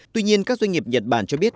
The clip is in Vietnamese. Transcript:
tuy nhiên các doanh nghiệp nhật bản cho biết